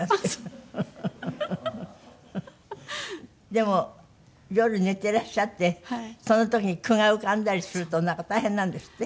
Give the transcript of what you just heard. でも夜寝てらっしゃってその時に句が浮かんだりするとなんか大変なんですって？